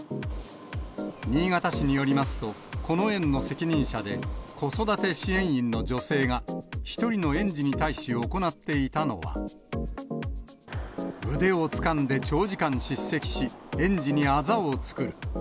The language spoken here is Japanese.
新潟市によりますと、この園の責任者で、子育て支援員の女性が、１人の園児に対し行っていたのは、腕をつかんで長時間叱責し、園児にあざを作る。